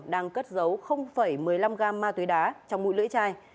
đang cất giấu một mươi năm gam ma túy đá trong mũi lưỡi chai